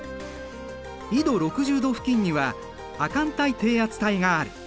緯度６０度付近には亜寒帯低圧帯がある。